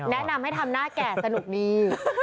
แนะนำให้ทำหน้าแก่สนุกดี